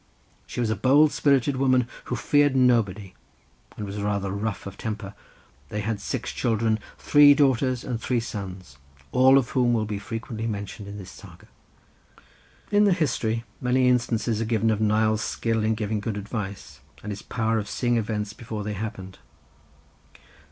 She was a bold spirited woman who feared nobody, and was rather rough of temper. They had six children, three daughters and three sons, all of whom will be frequently mentioned in this saga." In the history many instances are given of Nial's skill in giving good advice and his power of seeing events before they happened.